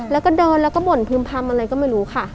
แล้วก็เดินแล้วก็บ่นพึ่มพำอะไรก็ไม่รู้ค่ะ